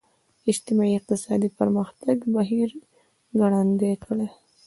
اجتماعي اقتصادي پرمختیايي بهیر ګړندی کړي.